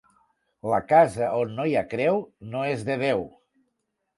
La casa on no hi ha creu no és de Déu.